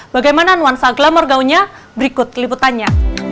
bagaimana nuansa glamour gaunya berikut keliputannya